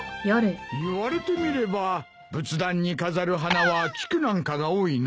言われてみれば仏壇に飾る花は菊なんかが多いな。